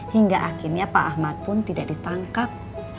hingga akhirnya pak ahmad pun tidak ditangkap